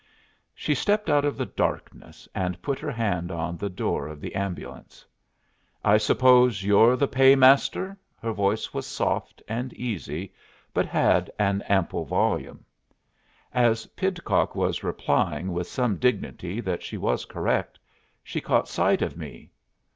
She stepped out of the darkness, and put her hand on the door of the ambulance. "I suppose you're the Paymaster?" Her voice was soft and easy, but had an ample volume. As Pidcock was replying with some dignity that she was correct, she caught sight of me.